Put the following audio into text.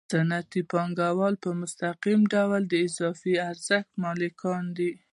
صنعتي پانګوال په مستقیم ډول د اضافي ارزښت مالکان دي